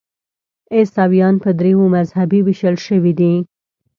عیسویان په دریو مذهبونو ویشل شوي دي.